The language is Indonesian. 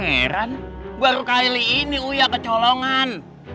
heran baru kali ini uya kecolongan